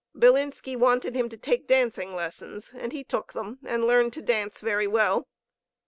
Bilinski wanted him to take dancing lessons, and he took them, and learned to dance very well.